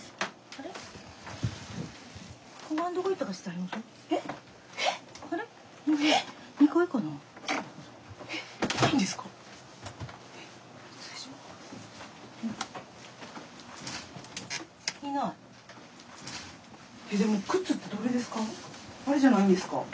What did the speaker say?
あれじゃないんですか？